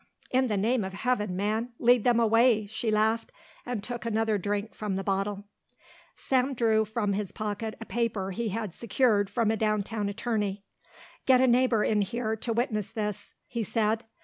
"In the name of Heaven, man, lead them away," she laughed, and took another drink from the bottle. Sam drew from his pocket a paper he had secured from a downtown attorney. "Get a neighbour in here to witness this," he said.